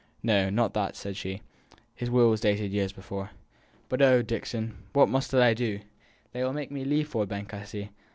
"No, not that," said she; "his will was dated years before. But oh, Dixon, what must I do? They will make me leave Ford Bank, I see.